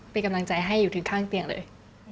เป็นกำลังใจให้อยู่ถึงข้างเตียงเลย